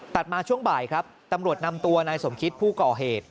มาช่วงบ่ายครับตำรวจนำตัวนายสมคิตผู้ก่อเหตุ